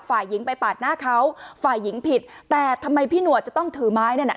ฝ่ายหญิงไปปาดหน้าเขาฝ่ายหญิงผิดแต่ทำไมพี่หนวดจะต้องถือไม้นั่นน่ะ